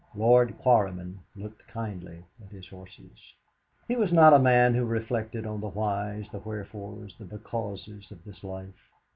Lord Quarryman looked kindly at his horses. He was not a man who reflected on the whys, the wherefores, the becauses, of this life.